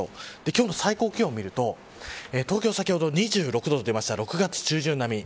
今日の最高気温をみると東京は先ほど２６度と出ましたが６月中旬並み。